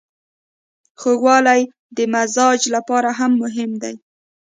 خوږوالی د مزاج لپاره هم مهم دی.